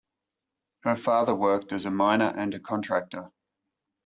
Her father worked as a miner and a contractor.